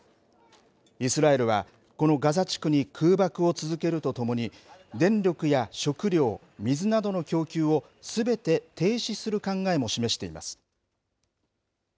イスラエルは、このガザ地区に空爆を続けるとともに、電力や食料、水などの供給をすべて停止する考えも示しています。